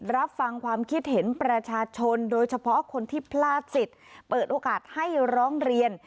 รับฟังความคิดเห็นประชาชนโดยเฉพาะคนที่พลาดสิทธิ์เปิดโอกาสให้ร้องเรียน